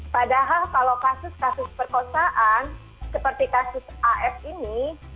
padahal kalau kasus kasus perkosaan seperti kasus af ini